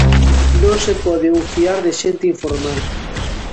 Non se pode un fiar de xente informal.